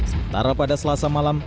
sementara pada selasa malam